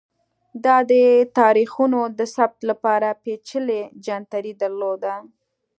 دا د تاریخونو د ثبت لپاره پېچلی جنتري درلوده